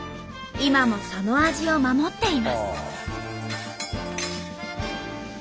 今もその味を守っています。